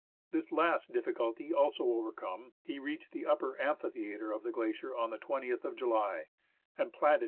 This last difficulty also overcome, he reached the upper amphi theatre of the glacier by the 20th of July, and planted his